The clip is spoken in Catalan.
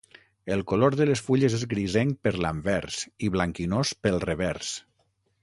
El color de les fulles és grisenc per l'anvers i blanquinós pel revers.